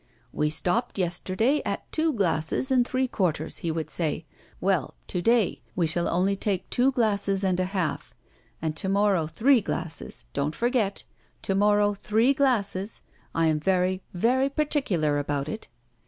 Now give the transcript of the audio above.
"We stopped yesterday at two glasses and three quarters," he would say; "well, to day we shall only take two glasses and a half, and to morrow three glasses. Don't forget! To morrow, three glasses. I am very, very particular about it!"